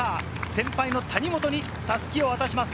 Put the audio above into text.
先輩の谷本に襷を渡します。